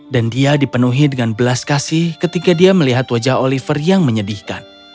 dan dia dipenuhi dengan belas kasih ketika dia melihat wajah oliver yang menyedihkan